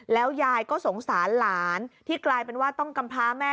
แล้วยายก็สงสารหลานที่กลายเป็นว่าต้องกำพาแม่